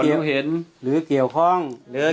ข้าพเจ้านางสาวสุภัณฑ์หลาโภ